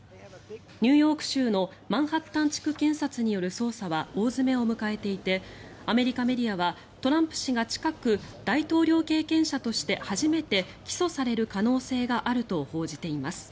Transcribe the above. ニューヨーク州のマンハッタン地区検察による捜査は大詰めを迎えていてアメリカメディアはトランプ氏が近く大統領経験者として初めて起訴される可能性があると報じています。